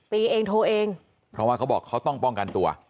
ตีเองโทรเองเพราะว่าเขาบอกเขาต้องป้องกันตัว